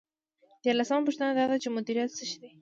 دیارلسمه پوښتنه دا ده چې مدیریت څه شی دی.